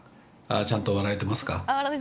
ちゃんと笑えていますか？